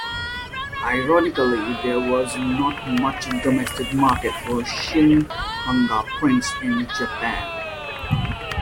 Ironically, there was not much domestic market for "shin-hanga" prints in Japan.